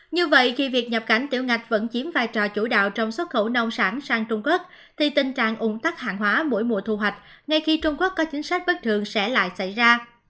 như vậy khi việc nhập cảnh tiểu ngạch vẫn chiếm vai trò chủ đạo trong xuất khẩu nông sản sang trung quốc thì tình trạng ủng tắc hàng hóa mỗi mùa thu hoạch ngay khi trung quốc có chính sách bất thường sẽ lại xảy ra